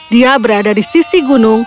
dia berada di sisi gunung